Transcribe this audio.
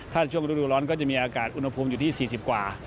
ถ้าช่วงฤดูร้อนก็จะมีอากาศอุณหภูมิอยู่ที่๔๐กว่า